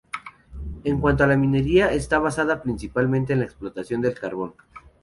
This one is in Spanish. En cuanto a la minería, esta se basa principalmente en la explotación del carbón.